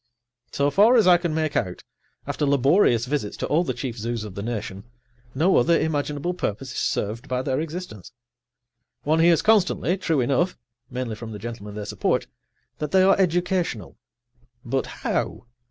So far as I can make out, after laborious visits to all the chief zoos of the nation, no other imaginable purpose is served by their existence. One hears constantly, true enough (mainly from the gentlemen they support) that they are educational. But how?